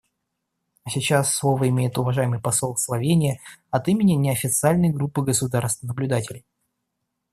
А сейчас слово имеет уважаемый посол Словении от имени неофициальной группы государств-наблюдателей.